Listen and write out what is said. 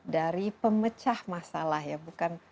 dari pemecah masalah ya bukan